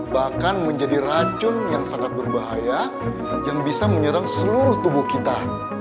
bahkan menjadi racun yang sangat berbahaya yang bisa menyerang seluruh tubuh kita